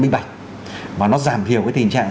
mênh bạch và nó giảm thiểu cái tình trạng